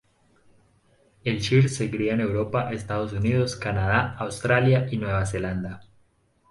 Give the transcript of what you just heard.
El Shire se cría en Europa, Estados Unidos, Canadá, Australia y Nueva Zelanda.